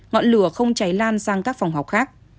ngọn lửa không cháy lan sang các phòng học khác